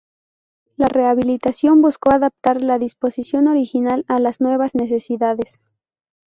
La rehabilitación buscó adaptar la disposición original a las nuevas necesidades.